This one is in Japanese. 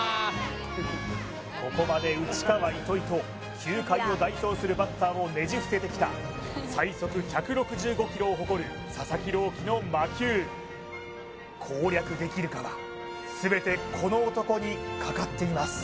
ここまで内川糸井と球界を代表するバッターをねじ伏せてきた最速１６５キロを誇る佐々木朗希の魔球攻略できるかは全てこの男にかかっています